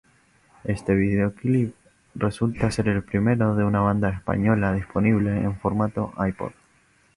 Este videoclip resulta ser el primero de una banda española disponible en formato iPod.